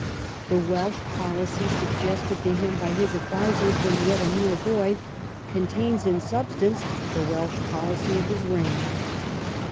The Welsh policy suggested to him by his advisers when yet a mere boy contains in substance the Welsh policy of his reign.